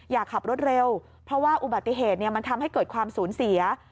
อย่าขับรถเร็วเพราะว่าอุบัติเหตุมันทำให้เกิดความสูญเสีย